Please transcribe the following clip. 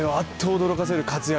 驚かせる活躍